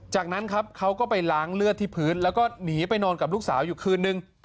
จากนั้นครับเขาก็ไปล้างเลือดที่พื้นแล้วก็หนีไปนอนกับลูกสาวอยู่คืนนึง